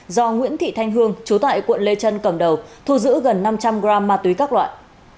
do nguyễn thị thanh hương chú tại quận lê trân cầm đầu thu giữ gần năm trăm linh g ma túy các loại